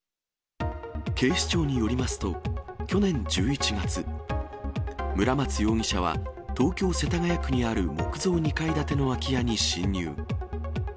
警視庁によりますと、去年１１月、村松容疑者は、東京・世田谷区にある木造２階建ての空き家に侵入。